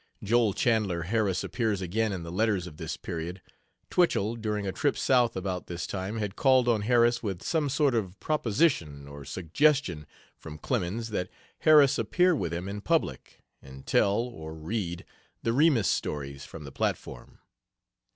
Joel Chandler Harris appears again in the letters of this period. Twichell, during a trip South about this time, had called on Harris with some sort of proposition or suggestion from Clemens that Harris appear with him in public, and tell, or read, the Remus stories from the platform.